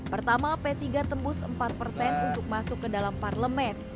pertama p tiga tembus empat persen untuk masuk ke dalam parlemen